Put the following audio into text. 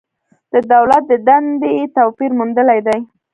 د دولت دندې توپیر موندلی دی.